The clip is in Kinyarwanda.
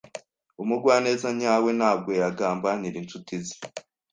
Umugwaneza nyawe ntabwo yagambanira inshuti ze.